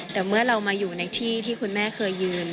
แต่เมื่อเรามาอยู่ในที่ที่คุณแม่เคยยืน